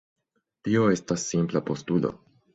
Tio estas simpla postulo.